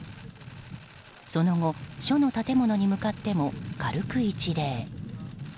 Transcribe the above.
その後、署の建物に向かっても軽く一礼。